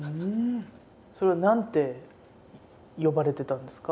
それは何て呼ばれてたんですか？